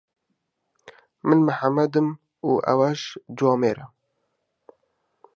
من محەممەدم و ئەوەش جوامێرە.